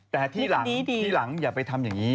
แต่ที่หลังอย่าไปทำอย่างนี้